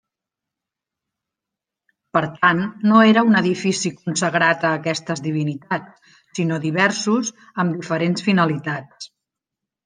Per tant, no era un edifici consagrat a aquestes divinitats, sinó diversos, amb diferents finalitats.